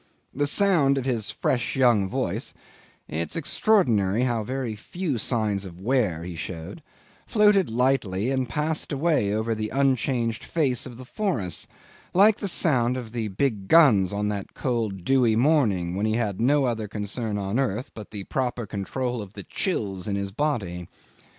The sound of his fresh young voice it's extraordinary how very few signs of wear he showed floated lightly, and passed away over the unchanged face of the forests like the sound of the big guns on that cold dewy morning when he had no other concern on earth but the proper control of the chills in his body.